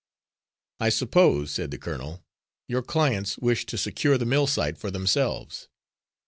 "I suppose," said the colonel, "your clients wish to secure the mill site for themselves.